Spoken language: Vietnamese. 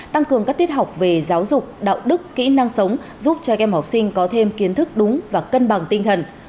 tăng cường các tiết học về giáo dục đạo đức kỹ năng sống giúp cho các em học sinh có thêm kiến thức đúng và cân bằng tinh thần